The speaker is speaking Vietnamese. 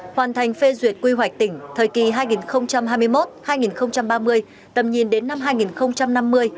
hoàn thành phê duyệt quy hoạch tỉnh thời kỳ hai nghìn hai mươi một hai nghìn ba mươi tầm nhìn đến năm hai nghìn năm mươi